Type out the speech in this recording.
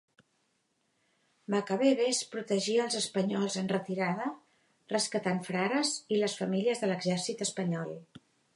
Macabebes protegia els espanyols en retirada, rescatant frares i les famílies de l'Exèrcit espanyol.